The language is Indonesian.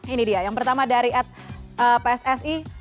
ini dia yang pertama dari at pssi